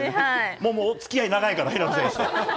もうおつきあい長いから、平野選手と。